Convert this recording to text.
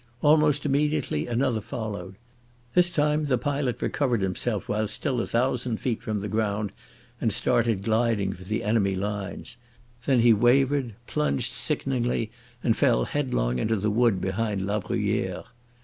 Almost immediately another followed. This time the pilot recovered himself, while still a thousand feet from the ground, and started gliding for the enemy lines. Then he wavered, plunged sickeningly, and fell headlong into the wood behind La Bruyere.